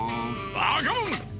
ばかもん！